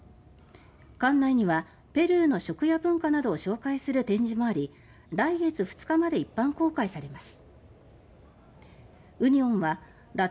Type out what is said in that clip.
艦内にはペルーの食や文化などを紹介する展示もあり９月２日まで一般公開されます。